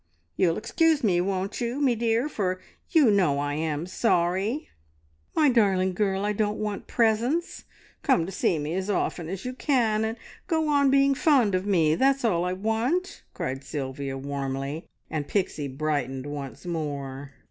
You'll excuse me, won't you, me dear, for you know I am sorry!" "My darling girl, I don't want presents! Come to see me as often as you can, and go on being fond of me that's all I want," cried Sylvia warmly, and Pixie brightened once more.